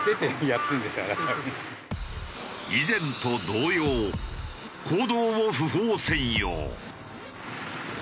以前と同様公道を不法占用。